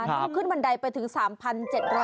ต้องขึ้นบันไดไปถึง๓๗๐๐